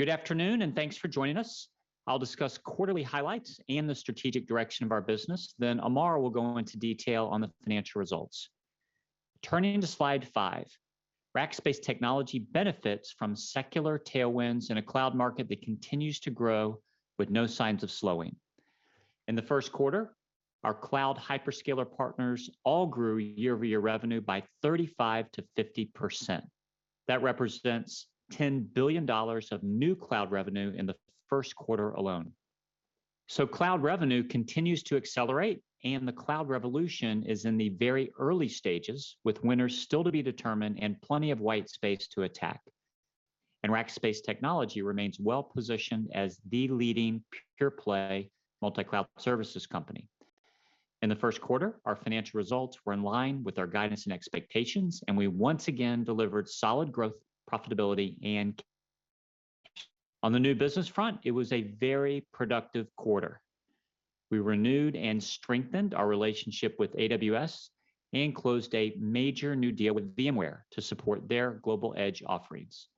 Good afternoon, and thanks for joining us. I'll discuss quarterly highlights and the strategic direction of our business, then Amar will go into detail on the financial results. Turning to slide 5, Rackspace Technology benefits from secular tailwinds in a cloud market that continues to grow with no signs of slowing. In the first quarter, our cloud hyperscaler partners all grew year-over-year revenue by 35%-50%. That represents $10 billion of new cloud revenue in the first quarter alone. Cloud revenue continues to accelerate, and the cloud revolution is in the very early stages, with winners still to be determined and plenty of white space to attack. Rackspace Technology remains well-positioned as the leading pure play multi-cloud services company. In the first quarter, our financial results were in line with our guidance and expectations, and we once again delivered solid growth, profitability and. On the new business front, it was a very productive quarter. We renewed and strengthened our relationship with AWS and closed a major new deal with VMware to support their global edge offerings.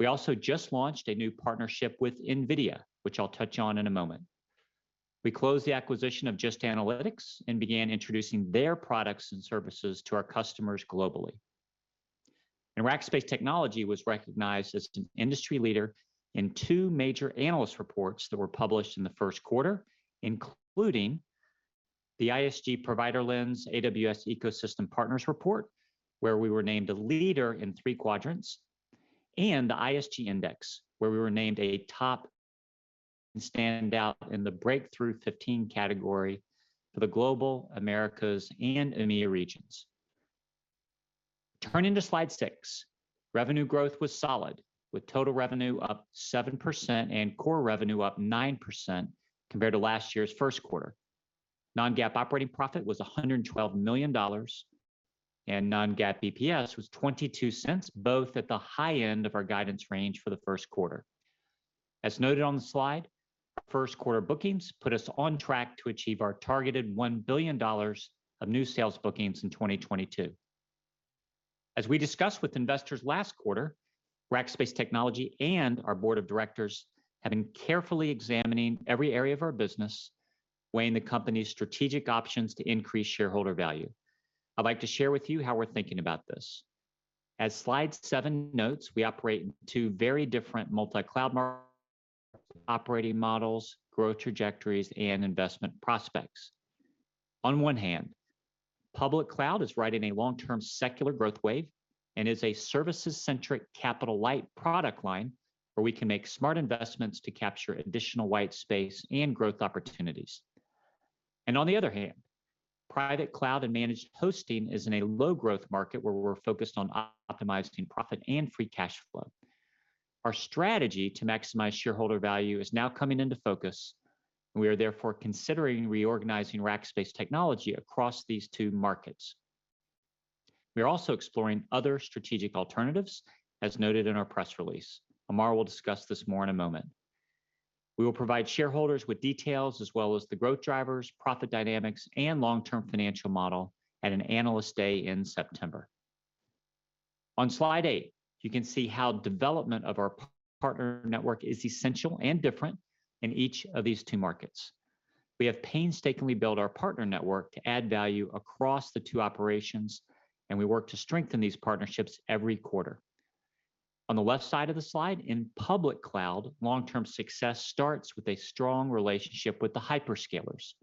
We also just launched a new partnership with NVIDIA, which I'll touch on in a moment. We closed the acquisition of Just Analytics and began introducing their products and services to our customers globally. Rackspace Technology was recognized as an industry leader in two major analyst reports that were published in the first quarter, including the ISG Provider Lens AWS Ecosystem Partners report, where we were named a leader in three quadrants, and the ISG Index, where we were named a top stand out in the Breakthrough 15 category for the global Americas and EMEA regions. Turning to slide 6, revenue growth was solid, with total revenue up 7% and core revenue up 9% compared to last year's first quarter. Non-GAAP operating profit was $112 million, and non-GAAP EPS was $0.22, both at the high end of our guidance range for the first quarter. As noted on the slide, first quarter bookings put us on track to achieve our targeted $1 billion of new sales bookings in 2022. As we discussed with investors last quarter, Rackspace Technology and our board of directors have been carefully examining every area of our business, weighing the company's strategic options to increase shareholder value. I'd like to share with you how we're thinking about this. As slide 7 notes, we operate in two very different multi-cloud operating models, growth trajectories, and investment prospects. On one hand, public cloud is riding a long-term secular growth wave and is a services-centric, capital-light product line where we can make smart investments to capture additional white space and growth opportunities. On the other hand, private cloud and managed hosting is in a low-growth market where we're focused on optimizing profit and free cash flow. Our strategy to maximize shareholder value is now coming into focus. We are therefore considering reorganizing Rackspace Technology across these two markets. We are also exploring other strategic alternatives, as noted in our press release. Amar will discuss this more in a moment. We will provide shareholders with details as well as the growth drivers, profit dynamics, and long-term financial model at an Analyst Day in September. On slide eight, you can see how development of our partner network is essential and different in each of these two markets. We have painstakingly built our partner network to add value across the two operations, and we work to strengthen these partnerships every quarter. On the left side of the slide, in public cloud, long-term success starts with a strong relationship with the hyperscalers.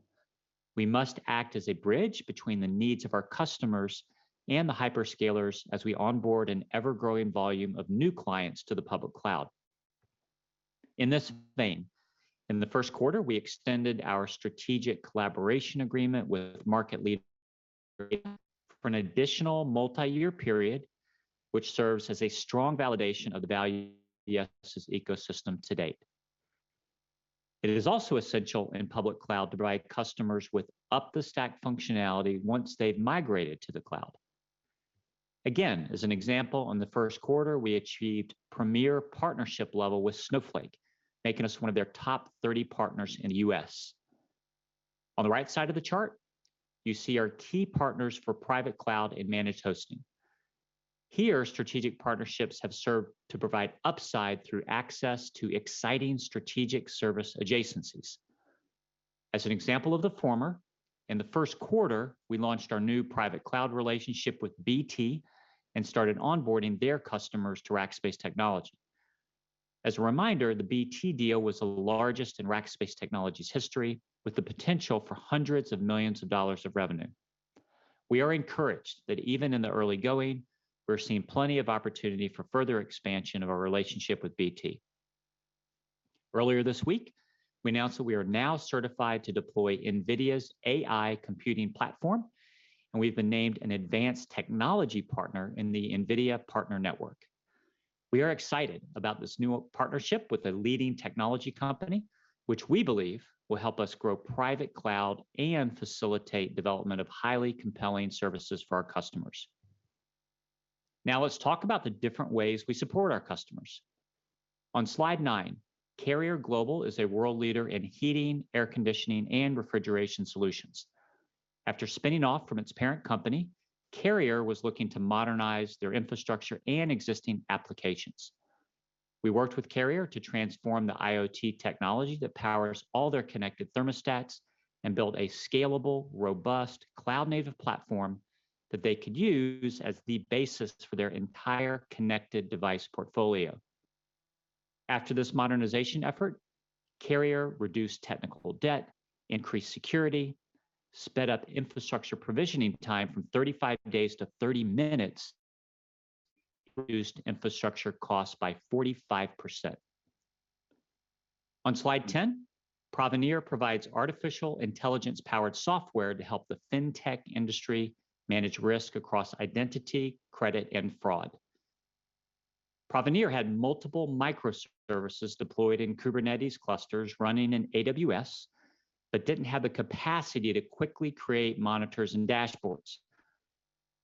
We must act as a bridge between the needs of our customers and the hyperscalers as we onboard an ever-growing volume of new clients to the public cloud. In this vein, in the first quarter, we extended our strategic collaboration agreement with AWS for an additional multi-year period, which serves as a strong validation of the value we add to the ecosystem to date. It is also essential in public cloud to provide customers with up-the-stack functionality once they've migrated to the cloud. Again, as an example, in the first quarter, we achieved Premier partnership level with Snowflake, making us one of their top 30 partners in the U.S. On the right side of the chart, you see our key partners for private cloud and managed hosting. Here, strategic partnerships have served to provide upside through access to exciting strategic service adjacencies. As an example of the former, in the first quarter, we launched our new private cloud relationship with BT and started onboarding their customers to Rackspace Technology. As a reminder, the BT deal was the largest in Rackspace Technology's history, with the potential for $hundreds of millions of revenue. We are encouraged that even in the early going, we're seeing plenty of opportunity for further expansion of our relationship with BT. Earlier this week, we announced that we are now certified to deploy NVIDIA's AI computing platform, and we've been named an advanced technology partner in the NVIDIA Partner Network. We are excited about this new partnership with a leading technology company, which we believe will help us grow private cloud and facilitate development of highly compelling services for our customers. Now let's talk about the different ways we support our customers. On slide nine, Carrier Global is a world leader in heating, air conditioning, and refrigeration solutions. After spinning off from its parent company Carrier was looking to modernize their infrastructure and existing applications. We worked with Carrier to transform the IoT technology that powers all their connected thermostats and build a scalable, robust cloud-native platform that they could use as the basis for their entire connected device portfolio. After this modernization effort Carrier reduced technical debt, increased security, sped up infrastructure provisioning time from 35 days to 30 minutes, reduced infrastructure costs by 45%. On slide 10 Provenir provides artificial intelligence powered software to help the fintech industry manage risk across identity, credit, and fraud. Provenir had multiple microservices deployed in Kubernetes clusters running in AWS but didn't have the capacity to quickly create monitors and dashboards.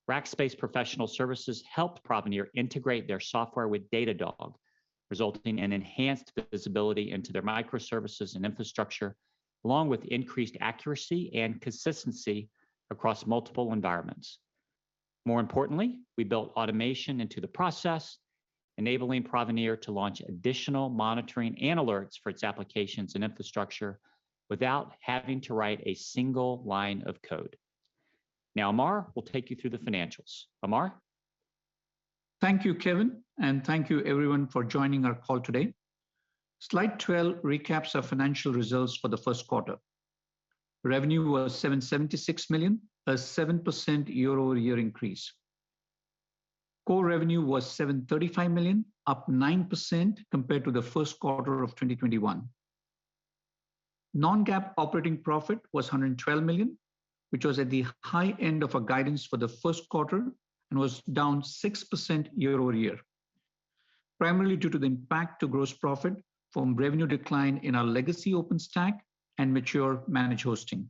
Rackspace professional services helped Provenir integrate their software with Datadog resulting in an enhanced visibility into their microservices and infrastructure along with increased accuracy and consistency across multiple environments. More importantly, we built automation into the process enabling Provenir to launch additional monitoring and alerts for its applications and infrastructure without having to write a single line of code. Now Amar will take you through the financials. Amar. Thank you, Kevin, and thank you everyone for joining our call today. Slide 12 recaps our financial results for the first quarter. Revenue was $776 million, a 7% year-over-year increase. Core revenue was $735 million, up 9% compared to the first quarter of 2021. Non-GAAP operating profit was $112 million, which was at the high end of our guidance for the first quarter and was down 6% year-over-year. Primarily due to the impact to gross profit from revenue decline in our legacy OpenStack and mature managed hosting.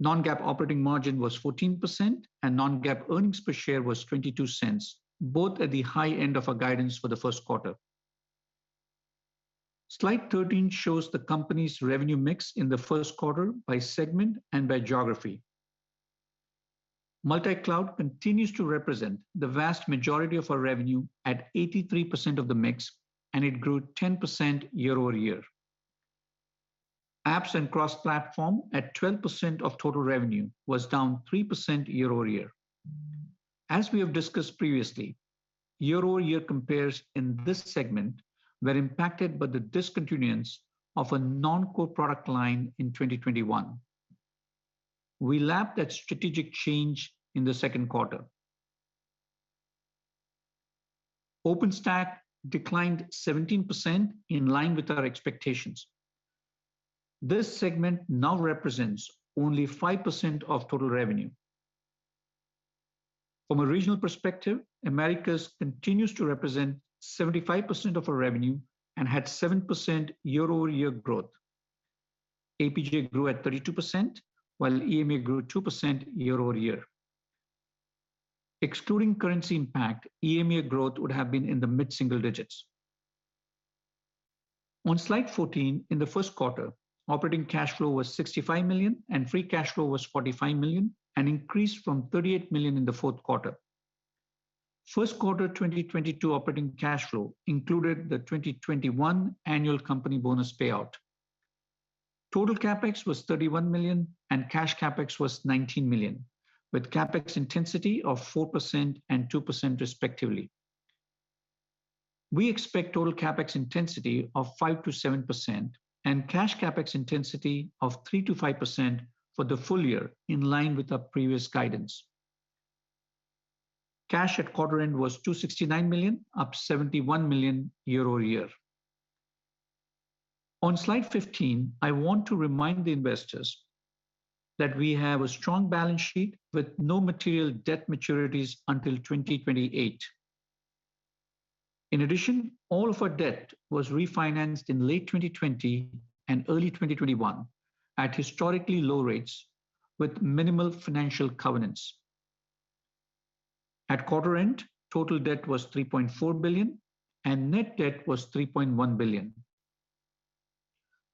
Non-GAAP operating margin was 14% and non-GAAP earnings per share was $0.22, both at the high end of our guidance for the first quarter. Slide 13 shows the company's revenue mix in the first quarter by segment and by geography. Multicloud continues to represent the vast majority of our revenue at 83% of the mix, and it grew 10% year-over-year. Apps & Cross Platform at 12% of total revenue was down 3% year-over-year. As we have discussed previously, year-over-year compares in this segment were impacted by the discontinuance of a non-core product line in 2021. We lapped that strategic change in the second quarter. OpenStack declined 17% in line with our expectations. This segment now represents only 5% of total revenue. From a regional perspective, Americas continues to represent 75% of our revenue and had 7% year-over-year growth. APJ grew at 32% while EMEA grew 2% year-over-year. Excluding currency impact, EMEA growth would have been in the mid-single digits. On slide 14 in the first quarter operating cash flow was $65 million, and free cash flow was $45 million, an increase from $38 million in the fourth quarter. First quarter 2022 operating cash flow included the 2021 annual company bonus payout. Total CapEx was $31 million, and cash CapEx was $19 million, with CapEx intensity of 4% and 2% respectively. We expect total CapEx intensity of 5%-7% and cash CapEx intensity of 3%-5% for the full year in line with our previous guidance. Cash at quarter end was $269 million, up $71 million year-over-year. On slide 15, I want to remind the investors that we have a strong balance sheet with no material debt maturities until 2028. In addition, all of our debt was refinanced in late 2020 and early 2021 at historically low rates with minimal financial covenants. At quarter end, total debt was $3.4 billion and net debt was $3.1 billion.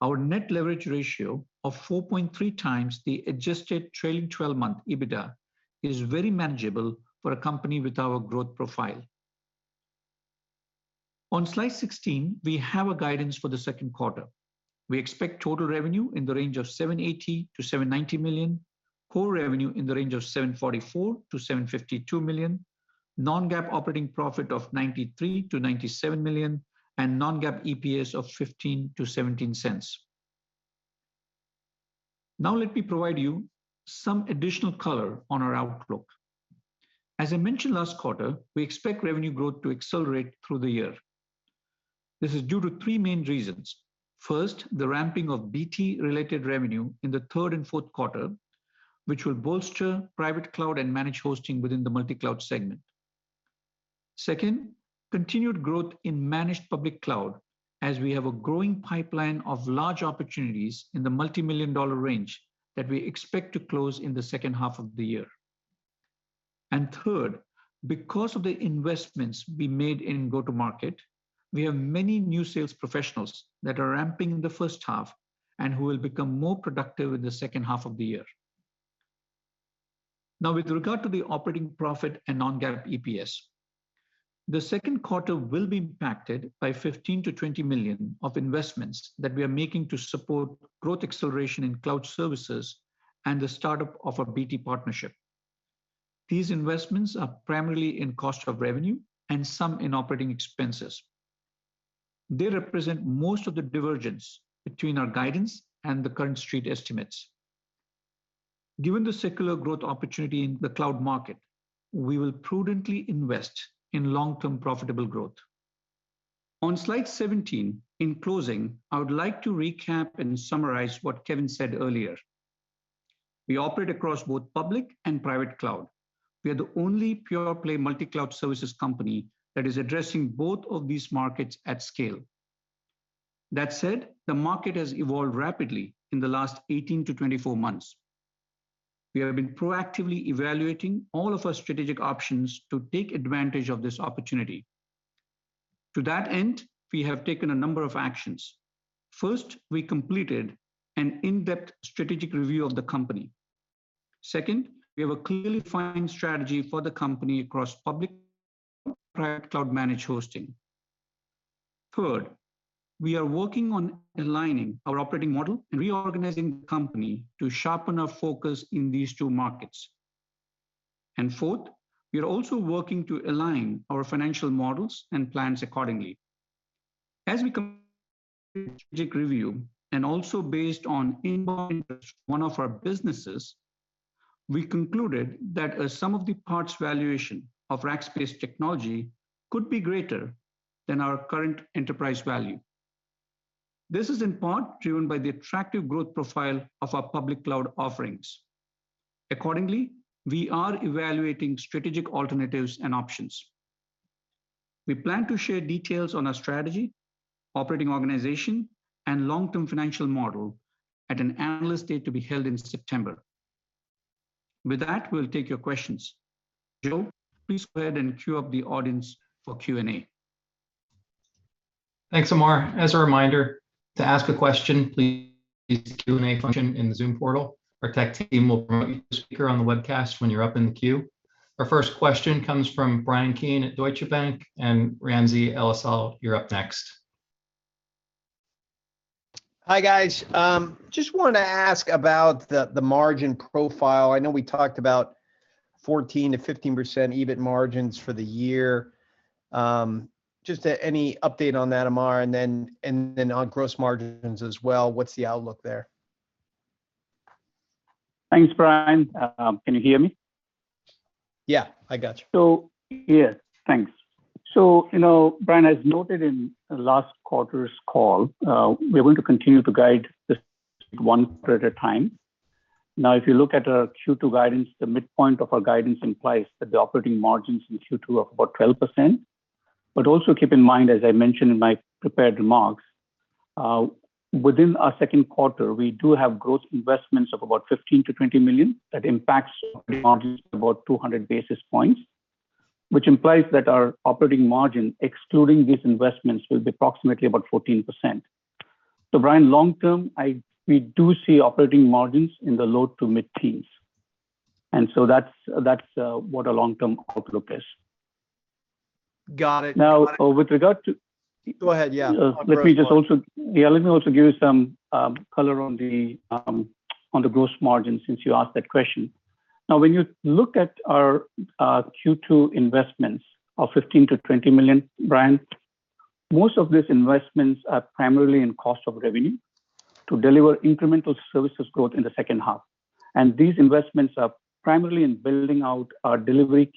Our net leverage ratio of 4.3x the adjusted trailing 12-month EBITDA is very manageable for a company with our growth profile. On slide 16, we have a guidance for the second quarter. We expect total revenue in the range of $780 million-$790 million, core revenue in the range of $744 million-$752 million, non-GAAP operating profit of $93 million-$97 million, and non-GAAP EPS of $0.15-$0.17. Now, let me provide you some additional color on our outlook. As I mentioned last quarter, we expect revenue growth to accelerate through the year. This is due to three main reasons. First, the ramping of BT related revenue in the third and fourth quarter, which will bolster private cloud and managed hosting within the Multicloud segment. Second, continued growth in managed public cloud as we have a growing pipeline of large opportunities in the multimillion-dollar range that we expect to close in the second half of the year. Third, because of the investments we made in go-to-market, we have many new sales professionals that are ramping in the first half and who will become more productive in the second half of the year. Now, with regard to the operating profit and non-GAAP EPS, the second quarter will be impacted by $15 million-$20 million of investments that we are making to support growth acceleration in cloud services and the startup of a BT partnership. These investments are primarily in cost of revenue and some in operating expenses. They represent most of the divergence between our guidance and the current street estimates. Given the secular growth opportunity in the cloud market, we will prudently invest in long-term profitable growth. On slide 17, in closing, I would like to recap and summarize what Kevin said earlier. We operate across both public and private cloud. We are the only pure-play multi-cloud services company that is addressing both of these markets at scale. That said, the market has evolved rapidly in the last 18-24 months. We have been proactively evaluating all of our strategic options to take advantage of this opportunity. To that end, we have taken a number of actions. First, we completed an in-depth strategic review of the company. Second, we have a clearly defined strategy for the company across public cloud managed hosting. Third, we are working on aligning our operating model and reorganizing the company to sharpen our focus in these two markets. Fourth, we are also working to align our financial models and plans accordingly. As we complete review and also based on inbound one of our businesses, we concluded that a sum of the parts valuation of Rackspace Technology could be greater than our current enterprise value. This is in part driven by the attractive growth profile of our public cloud offerings. Accordingly, we are evaluating strategic alternatives and options. We plan to share details on our strategy, operating organization, and long-term financial model at an analyst day to be held in September. With that, we'll take your questions. Joe, please go ahead and queue up the audience for Q&A. Thanks, Amar. As a reminder, to ask a question, please use the Q&A function in the Zoom portal. Our tech team will promote you as a speaker on the webcast when you're up in the queue. Our first question comes from Bryan Keane at Deutsche Bank, and Ramsey El-Assal, you're up next. Hi, guys. Just wanted to ask about the margin profile. I know we talked about 14%-15% EBIT margins for the year. Just any update on that, Amar? And then on gross margins as well, what's the outlook there? Thanks, Bryan. Can you hear me? Yeah, I got you. Yeah, thanks. You know, Bryan, as noted in last quarter's call, we're going to continue to guide this one quarter at a time. Now, if you look at our Q2 guidance, the midpoint of our guidance implies that the operating margins in Q2 are about 12%. Also keep in mind, as I mentioned in my prepared remarks, within our second quarter, we do have gross investments of about $15 million-$20 million that impacts margins about 200 basis points, which implies that our operating margin, excluding these investments, will be approximately about 14%. Bryan, long term, we do see operating margins in the low to mid-teens. That's what our long-term outlook is. Got it. Now, with regard to. Go ahead, yeah. Let me also give some color on the gross margin since you asked that question. Now, when you look at our Q2 investments of $15 million-$20 million, Bryan, most of these investments are primarily in cost of revenue to deliver incremental services growth in the second half. These investments are primarily in building out our delivery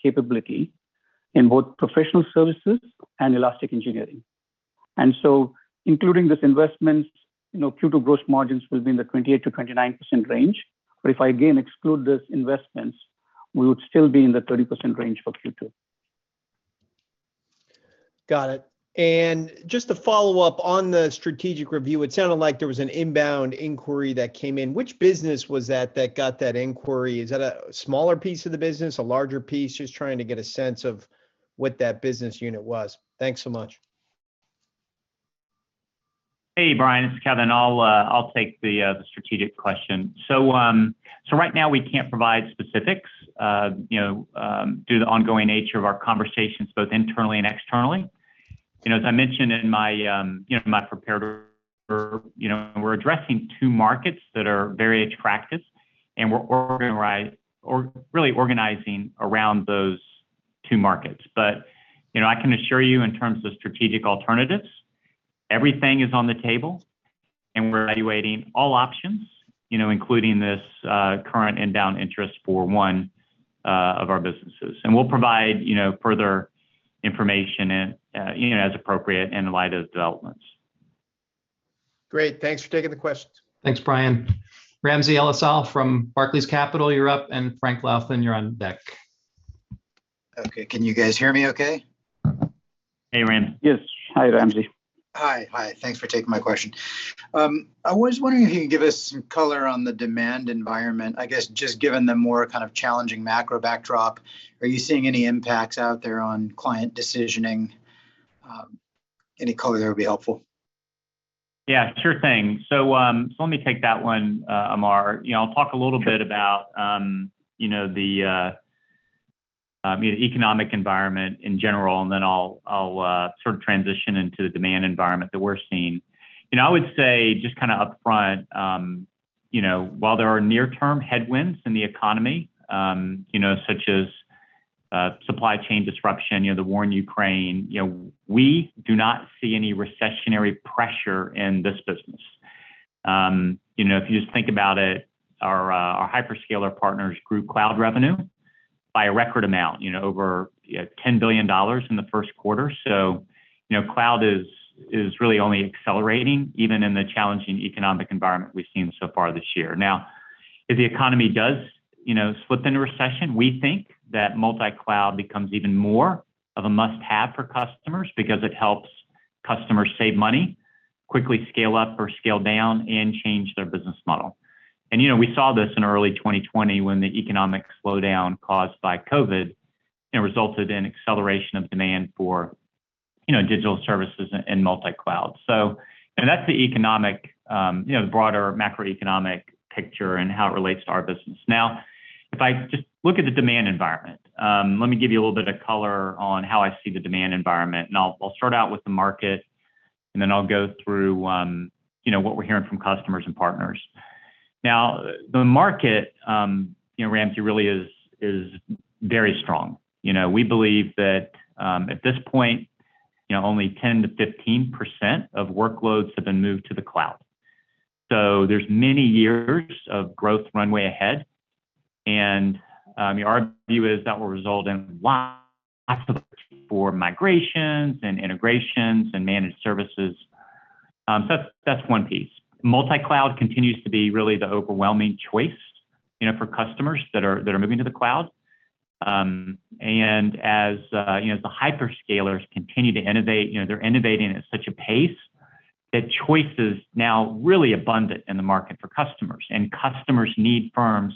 capability in both professional services and Elastic Engineering. Including these investments, you know, Q2 gross margins will be in the 28%-29% range. If I again exclude these investments, we would still be in the 30% range for Q2. Got it. Just to follow up on the strategic review, it sounded like there was an inbound inquiry that came in. Which business was that that got that inquiry? Is that a smaller piece of the business, a larger piece? Just trying to get a sense of what that business unit was. Thanks so much. Hey, Bryan, it's Kevin. I'll take the strategic question. So right now we can't provide specifics, you know, due to the ongoing nature of our conversations both internally and externally. You know, as I mentioned in my prepared remarks, you know, we're addressing two markets that are very attractive, and we're organizing or really organizing around those two markets. But you know, I can assure you in terms of strategic alternatives, everything is on the table, and we're evaluating all options, you know, including this current inbound interest for one of our businesses. We'll provide, you know, further information and, you know, as appropriate in light of developments. Great. Thanks for taking the questions. Thanks, Bryan. Ramsey El-Assal from Barclays Capital, you're up, and Frank Louthan, you're on deck. Okay. Can you guys hear me okay? Hey, Ram. Yes. Hi, Ramsey. Hi. Hi. Thanks for taking my question. I was wondering if you could give us some color on the demand environment. I guess just given the more kind of challenging macro backdrop, are you seeing any impacts out there on client decisioning? Any color there would be helpful. Yeah, sure thing. Let me take that one, Amar. You know, I'll talk a little bit about you know, the I mean, economic environment in general, and then I'll sort of transition into the demand environment that we're seeing. You know, I would say just kind of upfront, you know, while there are near-term headwinds in the economy, you know, such as supply chain disruption, you know, the war in Ukraine, you know, we do not see any recessionary pressure in this business. You know, if you just think about it, our hyperscaler partners grew cloud revenue by a record amount, you know, over yeah $10 billion in the first quarter. You know, cloud is really only accelerating even in the challenging economic environment we've seen so far this year. Now, if the economy does, you know, slip into recession, we think that multi-cloud becomes even more of a must-have for customers because it helps customers save money, quickly scale up or scale down, and change their business model. You know, we saw this in early 2020 when the economic slowdown caused by COVID, you know, resulted in acceleration of demand for, you know, digital services and multi-cloud. That's the economic, you know, the broader macroeconomic picture and how it relates to our business. Now, if I just look at the demand environment, let me give you a little bit of color on how I see the demand environment, and I'll start out with the market, and then I'll go through, you know, what we're hearing from customers and partners. Now, the market, you know, Ramsey, really is very strong. You know, we believe that, at this point, you know, only 10%-15% of workloads have been moved to the cloud. There's many years of growth runway ahead. Our view is that will result in lots of options for migrations and integrations and managed services. That's one piece. Multi-cloud continues to be really the overwhelming choice, you know, for customers that are moving to the cloud. As you know, the hyperscalers continue to innovate, you know, they're innovating at such a pace that choice is now really abundant in the market for customers. Customers need firms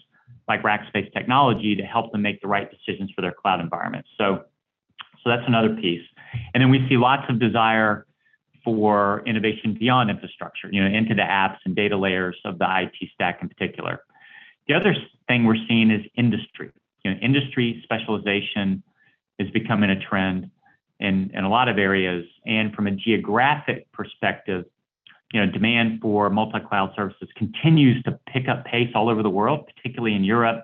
like Rackspace Technology to help them make the right decisions for their cloud environment. That's another piece. Then we see lots of desire for innovation beyond infrastructure, you know, into the apps and data layers of the IT stack in particular. The other thing we're seeing is industry. You know, industry specialization is becoming a trend in a lot of areas. From a geographic perspective, you know, demand for multi-cloud services continues to pick up pace all over the world, particularly in Europe,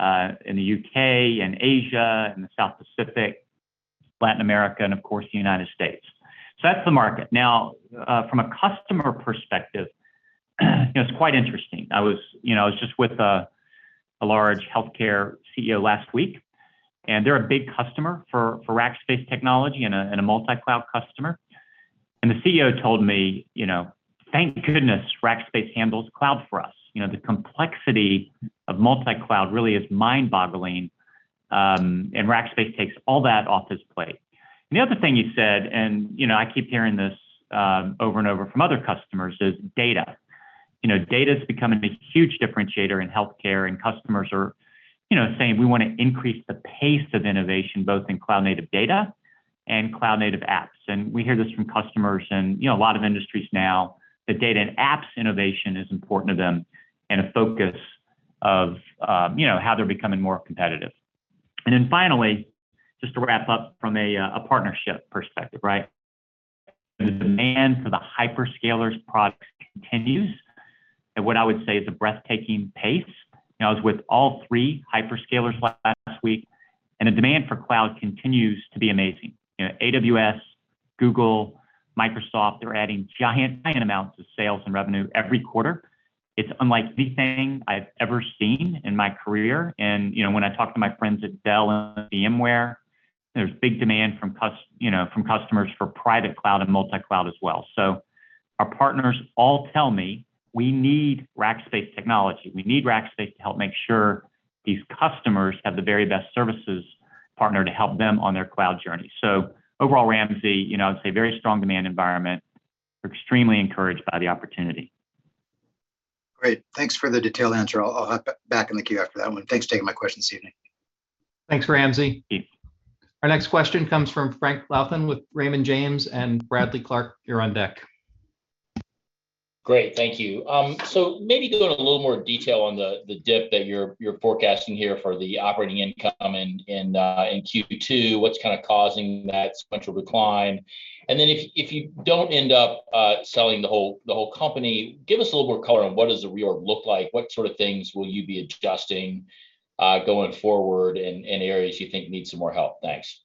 in the UK and Asia and the South Pacific, Latin America, and of course, the United States. That's the market. Now, from a customer perspective, you know, it's quite interesting. I was just with a large healthcare CEO last week, and they're a big customer for Rackspace Technology and a multi-cloud customer. The CEO told me, you know, "Thank goodness Rackspace handles cloud for us. You know, the complexity of multicloud really is mind-boggling, and Rackspace takes all that off his plate. The other thing he said, and, you know, I keep hearing this over and over from other customers is data. You know, data is becoming a huge differentiator in healthcare, and customers are, you know, saying we wanna increase the pace of innovation both in cloud-native data and cloud-native apps. We hear this from customers in, you know, a lot of industries now that data and apps innovation is important to them and a focus of, you know, how they're becoming more competitive. Then finally, just to wrap up from a partnership perspective, right? The demand for the hyperscalers' products continues at what I would say is a breathtaking pace. You know, I was with all three hyperscalers last week, and the demand for cloud continues to be amazing. You know, AWS, Google, Microsoft, they're adding gigantic amounts of sales and revenue every quarter. It's unlike anything I've ever seen in my career. You know, when I talk to my friends at Dell and VMware, there's big demand from customers for private cloud and multi-cloud as well. Our partners all tell me, "We need Rackspace Technology. We need Rackspace to help make sure these customers have the very best services partner to help them on their cloud journey." Overall, Ramsey, you know, I'd say a very strong demand environment. We're extremely encouraged by the opportunity. Great. Thanks for the detailed answer. I'll hop back in the queue after that one. Thanks for taking my question this evening. Thanks, Ramsey. Thank you. Our next question comes from Frank Louthan with Raymond James and Bradley Clark. You're on deck. Great. Thank you. Maybe go into a little more detail on the dip that you're forecasting here for the operating income in Q2. What's kind of causing that sequential decline? If you don't end up selling the whole company, give us a little more color on what does the reorg look like. What sort of things will you be adjusting going forward in areas you think need some more help? Thanks.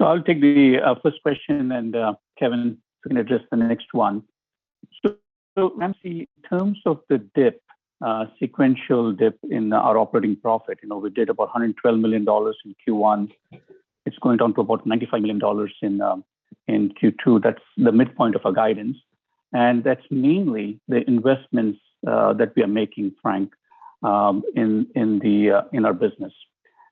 I'll take the first question and Kevin is gonna address the next one. Ramsey, in terms of the sequential dip in our operating profit, you know, we did about $112 million in Q1. It's going down to about $95 million in Q2. That's the midpoint of our guidance. That's mainly the investments that we are making, Frank, in our business.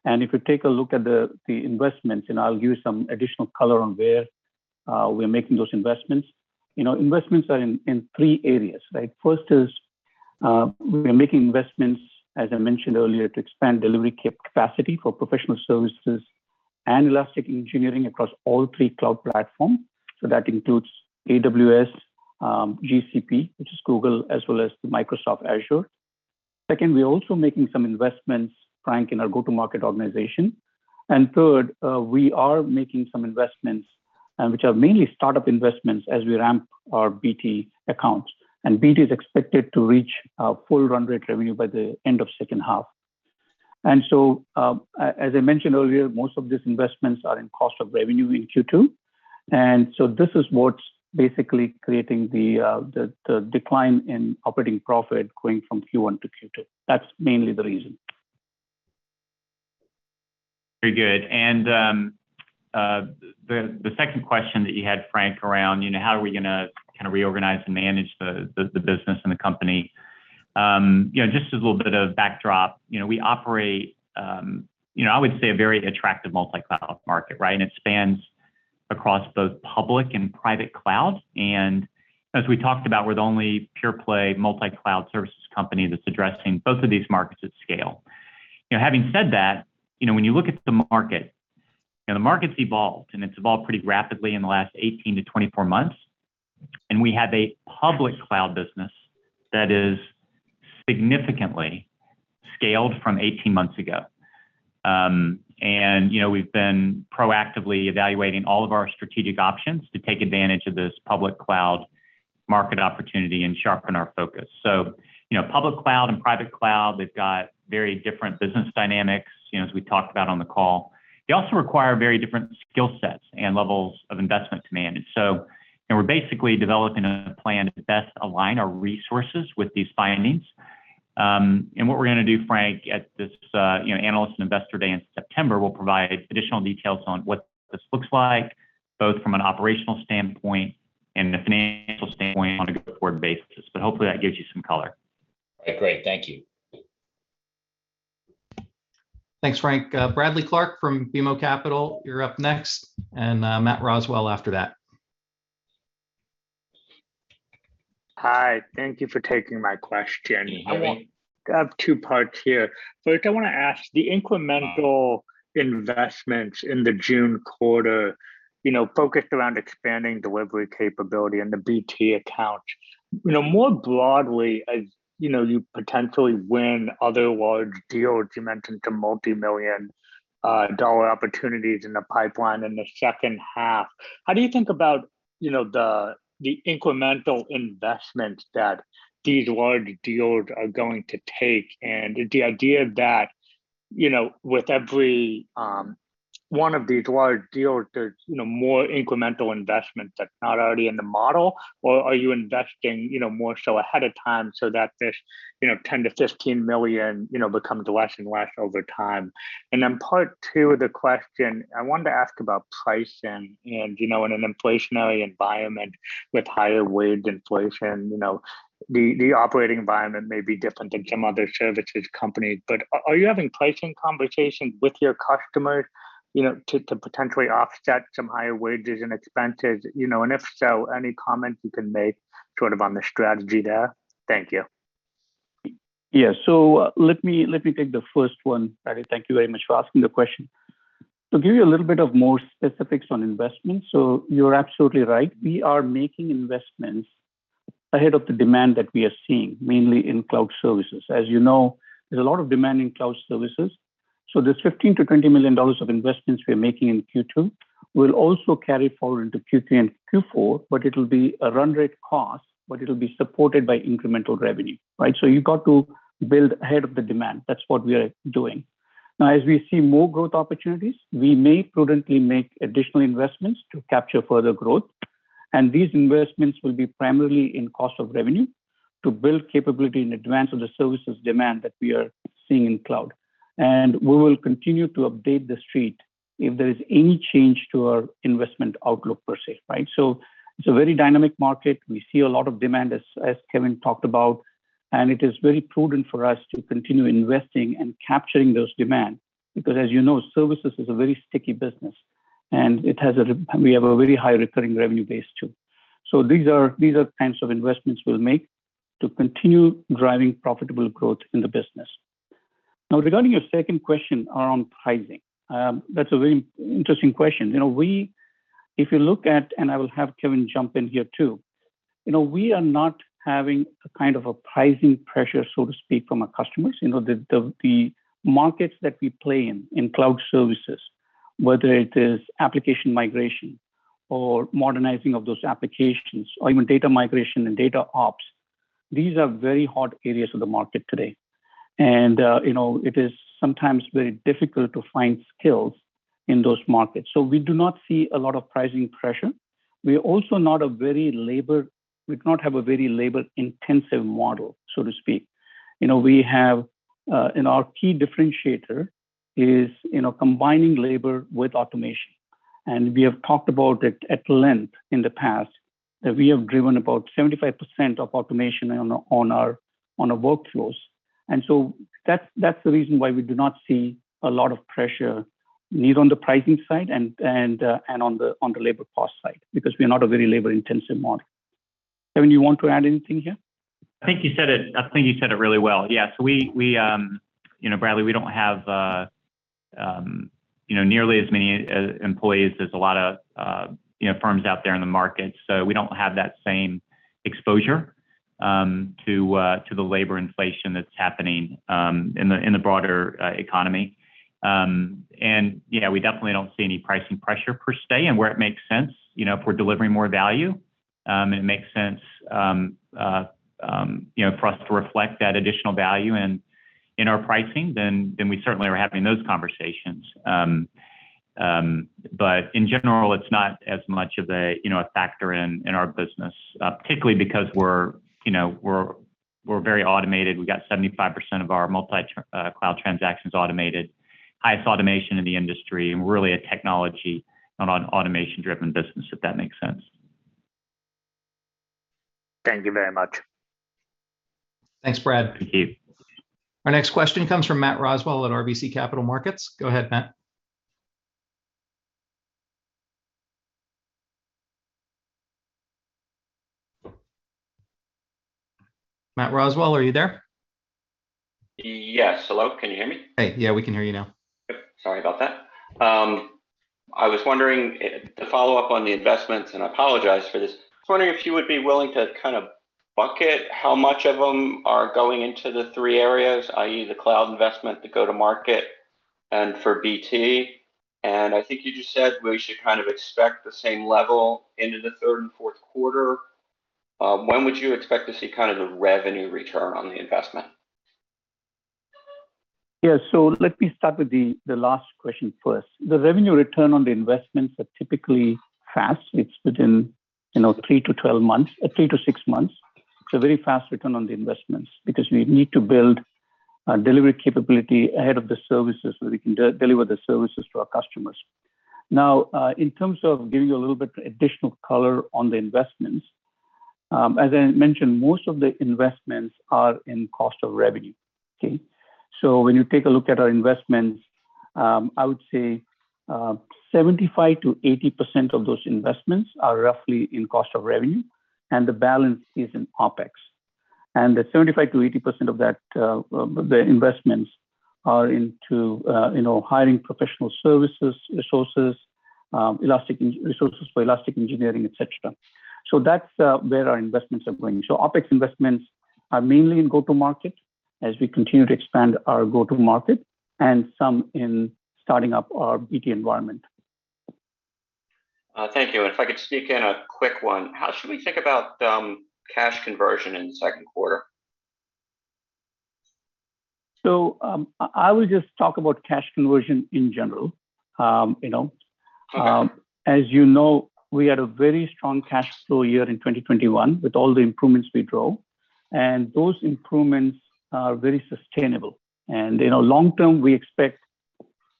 If you take a look at the investments, and I'll give you some additional color on where we're making those investments. You know, investments are in three areas, right? First, we are making investments, as I mentioned earlier, to expand delivery capacity for professional services and Elastic Engineering across all three cloud platforms. That includes AWS, GCP, which is Google, as well as Microsoft Azure. Second, we're also making some investments, Frank, in our go-to-market organization. Third, we are making some investments, which are mainly startup investments as we ramp our BT accounts. BT is expected to reach our full run rate revenue by the end of second half. As I mentioned earlier, most of these investments are in cost of revenue in Q2. This is what's basically creating the decline in operating profit going from Q1 to Q2. That's mainly the reason. Very good. The second question that you had, Frank, around, you know, how are we gonna kinda reorganize and manage the business and the company. Just as a little bit of backdrop, you know, we operate, you know, I would say a very attractive multi-cloud market, right? It spans across both public and private clouds. As we talked about, we're the only pure play multi-cloud services company that's addressing both of these markets at scale. You know, having said that, you know, when you look at the market, you know, the market's evolved, and it's evolved pretty rapidly in the last 18-24 months. We have a public cloud business that is significantly scaled from 18 months ago. You know, we've been proactively evaluating all of our strategic options to take advantage of this public cloud market opportunity and sharpen our focus. You know, public cloud and private cloud, they've got very different business dynamics, you know, as we talked about on the call. They also require very different skill sets and levels of investment to manage. You know, we're basically developing a plan to best align our resources with these findings. What we're gonna do, Frank, at this, you know, analyst and investor day in September, we'll provide additional details on what this looks like, both from an operational standpoint and a financial standpoint on a go-forward basis. Hopefully that gives you some color. Great. Thank you. Thanks, Frank. Bradley Clark from BMO Capital, you're up next, and Matt Roswell after that. Hi, thank you for taking my question. You're welcome. I have two parts here. First, I wanna ask the incremental investments in the June quarter, you know, focused around expanding delivery capability and the BT accounts. You know, more broadly, as you know, you potentially win other large deals. You mentioned the multimillion-dollar opportunities in the pipeline in the second half. How do you think about, you know, the incremental investments that these large deals are going to take? The idea that, you know, with every one of these large deals, there's, you know, more incremental investment that's not already in the model, or are you investing, you know, more so ahead of time so that this, you know, $10 million-$15 million, you know, becomes less and less over time? Part two of the question, I wanted to ask about pricing and, you know, in an inflationary environment with higher wage inflation, you know, the operating environment may be different than some other services company. But are you having pricing conversations with your customers, you know, to potentially offset some higher wages and expenses? You know, and if so, any comments you can make sort of on the strategy there? Thank you. Yeah. Let me, let me take the first one. Bradley, thank you very much for asking the question. To give you a little bit of more specifics on investments, so you're absolutely right. We are making investments ahead of the demand that we are seeing, mainly in cloud services. As you know, there's a lot of demand in cloud services. This $15 million-$20 million of investments we're making in Q2 will also carry forward into Q3 and Q4, but it'll be a run rate cost, but it'll be supported by incremental revenue, right? You've got to build ahead of the demand. That's what we are doing. Now as we see more growth opportunities, we may prudently make additional investments to capture further growth, and these investments will be primarily in cost of revenue to build capability in advance of the services demand that we are seeing in cloud. We will continue to update The Street if there is any change to our investment outlook per se. Right? It's a very dynamic market. We see a lot of demand as Kevin talked about, and it is very prudent for us to continue investing and capturing those demand because as you know, services is a very sticky business, and it has a we have a very high recurring revenue base too. These are kinds of investments we'll make to continue driving profitable growth in the business. Now regarding your second question around pricing, that's a very interesting question. You know, I will have Kevin jump in here too. You know, we are not having a kind of a pricing pressure, so to speak, from our customers. You know, the markets that we play in cloud services, whether it is application migration or modernizing of those applications or even data migration and DataOps, these are very hot areas of the market today. You know, it is sometimes very difficult to find skills in those markets. So we do not see a lot of pricing pressure. We're also not a very labor-intensive model, so to speak. You know, our key differentiator is, you know, combining labor with automation. We have talked about it at length in the past that we have driven about 75% of automation on our workflows. That's the reason why we do not see a lot of pressure neither on the pricing side and on the labor cost side because we're not a very labor-intensive model. Kevin, you want to add anything here? I think you said it really well. Yeah. We don't have nearly as many employees as a lot of firms out there in the market, so we don't have that same exposure to the labor inflation that's happening in the broader economy. Yeah, we definitely don't see any pricing pressure per se, and where it makes sense, you know, if we're delivering more value, it makes sense, you know, for us to reflect that additional value in our pricing, then we certainly are having those conversations. In general it's not as much of a factor in our business, particularly because we're very automated. We got 75% of our multi-cloud transactions automated. Highest automation in the industry and we're really a technology- and automation-driven business if that makes sense. Thank you very much. Thanks, Brad. Thank you. Our next question comes from Matt Roswell at RBC Capital Markets. Go ahead, Matt. Matt Roswell, are you there? Yes. Hello, can you hear me? Hey, yeah, we can hear you now. Yep. Sorry about that. I was wondering to follow up on the investments, and I apologize for this. I was wondering if you would be willing to kind of bucket how much of them are going into the three areas, i.e., the cloud investment, the go-to-market, and for BT. I think you just said we should kind of expect the same level into the third and fourth quarter. When would you expect to see kind of the revenue return on the investment? Yeah. Let me start with the last question first. The revenue return on the investments are typically fast. It's within, you know, 3-12 months or 3-6 months. It's a very fast return on the investments because we need to build a delivery capability ahead of the services so we can deliver the services to our customers. Now, in terms of giving you a little bit additional color on the investments, as I mentioned, most of the investments are in cost of revenue. Okay? When you take a look at our investments, I would say, 75%-80% of those investments are roughly in cost of revenue and the balance is in OpEx. The 75%-80% of that, the investments are into, you know, hiring professional services, resources, elastic resources for Elastic Engineering, et cetera. That's where our investments are going. OpEx investments are mainly in go-to-market as we continue to expand our go-to-market and some in starting up our BT environment. Thank you. If I could sneak in a quick one. How should we think about cash conversion in the second quarter? I will just talk about cash conversion in general. You know. Okay. As you know, we had a very strong cash flow year in 2021 with all the improvements we drove and those improvements are very sustainable. In our long term we expect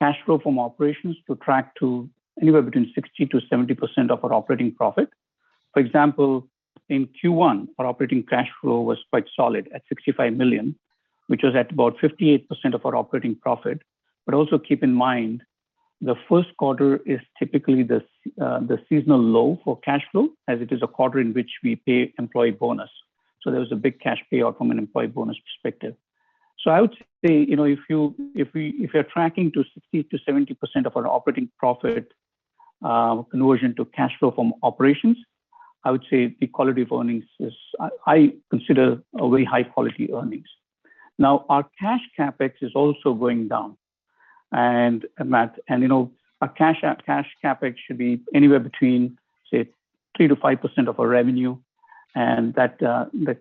cash flow from operations to track to anywhere between 60%-70% of our operating profit. For example, in Q1 our operating cash flow was quite solid at $65 million which was at about 58% of our operating profit. Also keep in mind the first quarter is typically the seasonal low for cash flow as it is a quarter in which we pay employee bonus. There was a big cash payout from an employee bonus perspective. I would say, you know, if you're tracking to 60%-70% of our operating profit conversion to cash flow from operations, I would say the quality of earnings is, I consider, a very high-quality earnings. Now our cash CapEx is also going down. Matt, you know our cash CapEx should be anywhere between, say 3%-5% of our revenue and the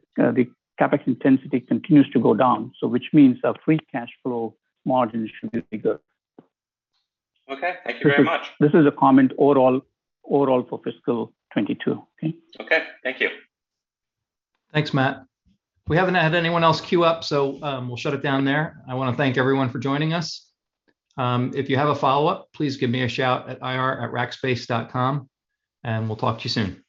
CapEx intensity continues to go down so which means our free cash flow margin should be bigger. Okay. Thank you very much. This is a comment overall for fiscal 2022. Okay? Okay. Thank you. Thanks, Matt. We haven't had anyone else queue up so, we'll shut it down there. I wanna thank everyone for joining us. If you have a follow-up, please give me a shout at ir@rackspace.com and we'll talk to you soon.